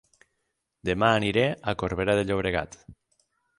Dema aniré a Corbera de Llobregat